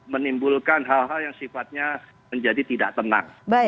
menimbulkan hal hal yang sifatnya menjadi tidak tenang